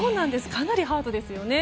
かなりハードですよね。